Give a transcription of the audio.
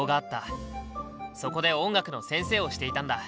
そこで音楽の先生をしていたんだ。